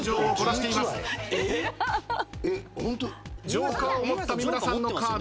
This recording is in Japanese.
ジョーカーを持った三村さんのカード。